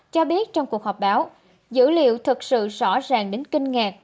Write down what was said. cho biết trong cuộc họp báo dữ liệu thật sự rõ ràng đến kinh ngạc